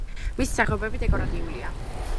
მისი სახეობები დეკორატიულია.